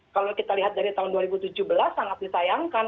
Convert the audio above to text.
kalau kita lihat dari tahun dua ribu tujuh belas sangat disayangkan